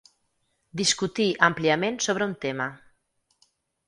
Discutí àmpliament sobre un tema.